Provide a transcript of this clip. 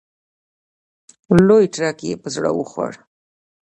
لوی تړک یې په زړه وخوړ.